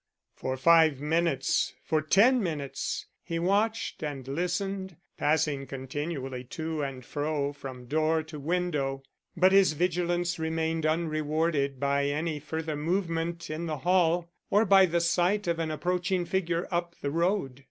For five minutes, for ten minutes, he watched and listened, passing continually to and fro from door to window. But his vigilance remained unrewarded by any further movement in the hall, or by the sight of an approaching figure up the road.